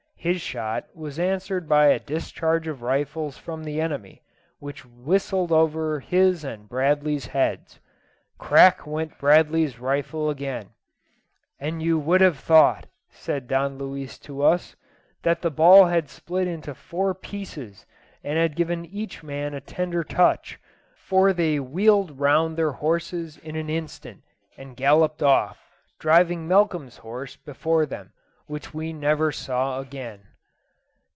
His shot was answered by a discharge of rifles from the enemy, which whistled over his and Bradley's heads. Crack went Bradley's rifle again "And you would have thought," said Don Luis to us, "that the ball had split into four pieces, and had given each man a tender touch, for they wheeled round their horses in an instant, and galloped off, driving Malcolm's horse before them, which we never saw again."